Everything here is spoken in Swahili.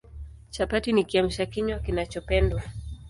Chapati ni Kiamsha kinywa kinachopendwa